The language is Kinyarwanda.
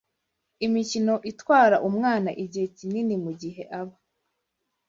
Imikino itwara umwana igihe kinini mu gihe aba